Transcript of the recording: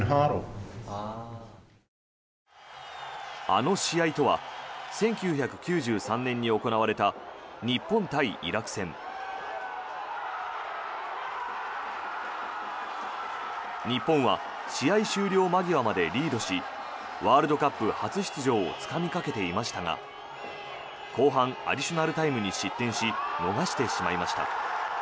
あの試合とは１９９３年に行われた日本対イラク戦。日本は試合終了間際までリードしワールドカップ初出場をつかみかけていましたが後半アディショナルタイムに失点し、逃してしまいました。